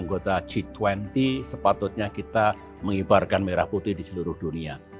negara terbesar di asean kita juga anggota g dua puluh sepatutnya kita mengibarkan merah putih di seluruh dunia